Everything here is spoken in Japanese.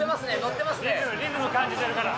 リズム感じてるから。